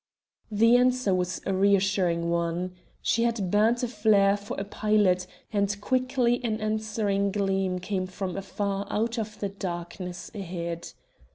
The answer was a reassuring one. She had burnt a flare for a pilot, and quickly an answering gleam came from afar out of the darkness ahead.